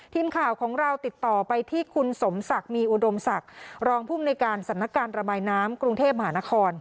ทีมข่าวของเราติดต่อไปที่คุณสมศักดิ์มีอุดมศักดิ์รองภูมิในการสำนักการณ์ระบายน้ำกรุงเทพมหานคร